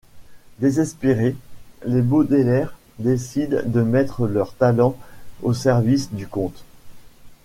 Désespérés, les Baudelaire décident de mettre leurs talents au service du comte.